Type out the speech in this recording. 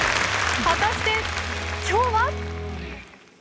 果たして、今日は。